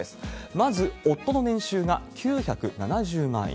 まず、夫の年収が９７０万円。